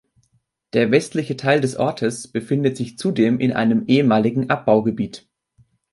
Der westliche Teil des Ortes befindet sich zudem in einem ehemaligen Abbaugebiet.